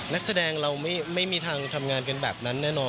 นักแสดงเราไม่มีทางทำงานกันแบบนั้นแน่นอน